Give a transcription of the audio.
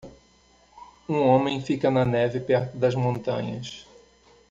Um homem fica na neve perto das montanhas.